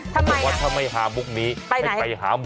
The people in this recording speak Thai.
ทำไมนะไปไหนถ้าไม่หาบุคนี้ให้ไปหาหมอ